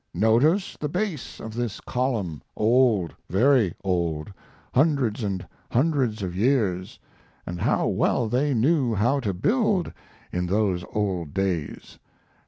Notice the base of this column old, very old hundreds and hundreds of years and how well they knew how to build in those old days!